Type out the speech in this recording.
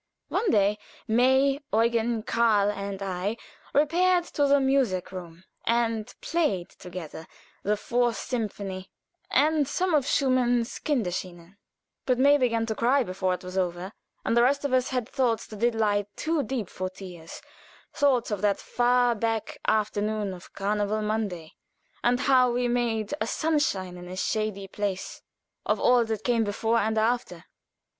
One day May, Eugen, Karl, and I, repaired to the music room and played together the Fourth Symphonie and some of Schumann's "Kinderscenen," but May began to cry before it was over, and the rest of us had thoughts that did lie too deep for tears thoughts of that far back afternoon of Carnival Monday, and how we "made a sunshine in a shady place" of all that came before and after.